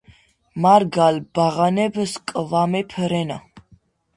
მარგალ ბაღანებ სკვამეფ რენა